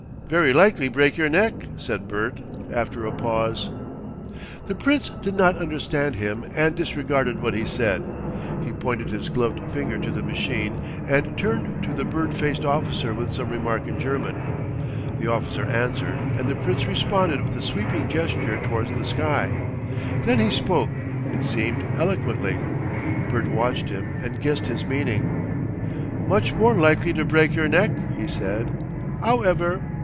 "Very likely break your neck," said Bert, after a pause. The Prince did not understand him and disregarded what he said. He pointed his gloved finger to the machine and turned to the bird faced officer with some remark in German. The officer answered and the Prince responded with a sweeping gesture towards the sky. Then he spoke it seemed eloquently. Bert watched him and guessed his meaning. "Much more likely to break your neck," he said. "'Owever.